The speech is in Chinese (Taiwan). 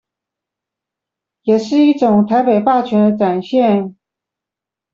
也是一種台北霸權的展現